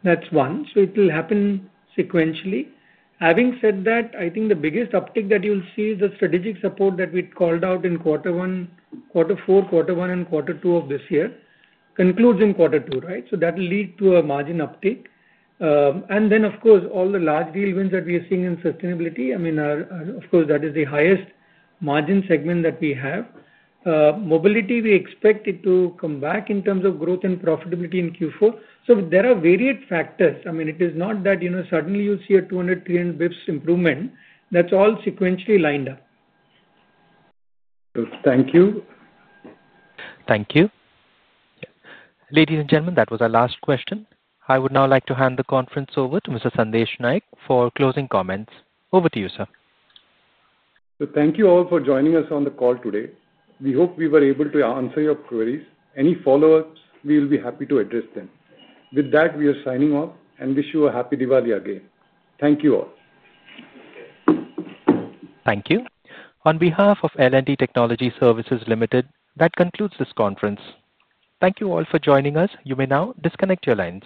That's one. It will happen sequentially. Having said that, I think the biggest uptake that you'll see is the strategic support that we called out in quarter one, quarter four, quarter one, and quarter two of this year, concludes in quarter two, right? That will lead to a margin uptake. Of course, all the large deal wins that we are seeing in Sustainability, I mean, of course, that is the highest margin segment that we have. Mobility, we expect it to come back in terms of growth and profitability in Q4. There are varied factors. It is not that you know suddenly you see a 200, 300 bps improvement. That's all sequentially lined up. Thank you. Thank you. Ladies and gentlemen, that was our last question. I would now like to hand the conference over to Mr. Sandesh Naik for closing comments. Over to you, sir. Thank you all for joining us on the call today. We hope we were able to answer your queries. Any follow-ups, we will be happy to address them. With that, we are signing off and wish you a happy Diwali again. Thank you all. Thank you. On behalf of L&T Technology Services Limited, that concludes this conference. Thank you all for joining us. You may now disconnect your lines.